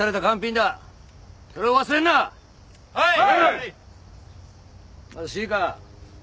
はい！